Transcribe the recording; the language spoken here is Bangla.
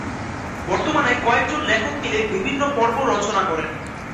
বর্তমানে কয়েকজন লেখক মিলে বিভিন্ন পর্ব রচনা করেন।